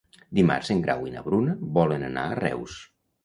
Dimarts en Grau i na Bruna volen anar a Reus.